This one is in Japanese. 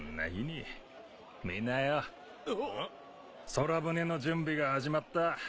空船の準備が始まった。